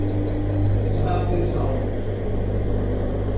Sapezal